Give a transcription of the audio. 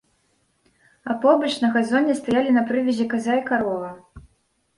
А побач, на газоне, стаялі на прывязі каза і карова.